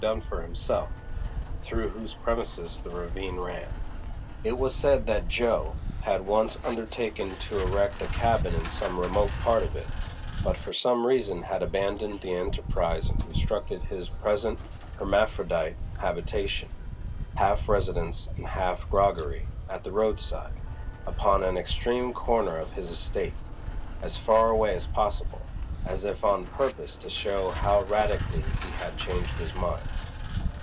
Dunfer himself, through whose premises the ravine ran. It was said that Jo. had once undertaken to erect a cabin in some remote part of it, but for some reason had abandoned the enterprise and constructed his present hermaphrodite habitation, half residence and half groggery, at the roadside, upon an extreme corner of his estate; as far away as possible, as if on purpose to show how radically he had changed his mind.